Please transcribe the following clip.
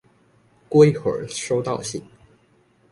過一會兒收到信